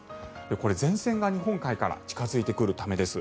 これ、前線が日本海から近付いてくるためです。